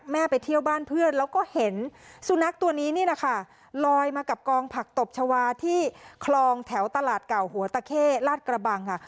ไปเที่ยวบ้านเพื่อนแล้วก็เห็นสุนัขตัวนี้นี่แหละค่ะลอยมากับกองผักตบชาวาที่คลองแถวตลาดเก่าหัวตะเข้ลาดกระบังค่ะ